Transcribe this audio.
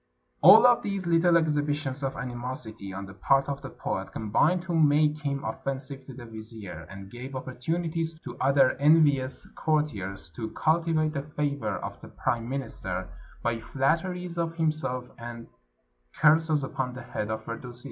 All of these Httle exhibitions of animosity on the part of the poet combined to make him offensive to the vizier, and gave opportunities to other envious courtiers to cultivate the favor of the prime minister by flatteries of himself, and curses upon the head of Firdusi.